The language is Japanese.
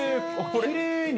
きれいに。